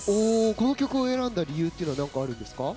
この曲を選んだ理由は何かあるんですか？